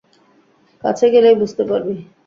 কাছে গেলেই বুঝতে পারবি।